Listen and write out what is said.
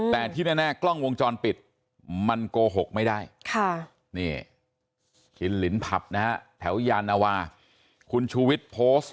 แต่ที่แน่กล้องวงจรปิดมันโกหกไม่ได้นี่กินลิ้นผับนะฮะแถวยานวาคุณชูวิทย์โพสต์